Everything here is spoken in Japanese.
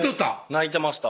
泣いてました